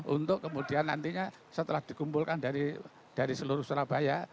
untuk kemudian nantinya setelah dikumpulkan dari seluruh surabaya